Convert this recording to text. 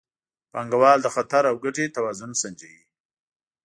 پانګوال د خطر او ګټې توازن سنجوي.